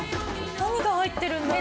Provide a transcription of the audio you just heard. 何が入ってるんだろう？